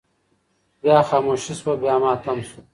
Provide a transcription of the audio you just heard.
بيا خاموشي سوه بيا ماتم سو